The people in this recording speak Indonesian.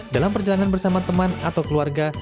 dalam perjalanan bersama teman atau keluarga